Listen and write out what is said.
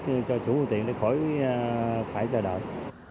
cho chủ phương tiện để khỏi phải chờ đợi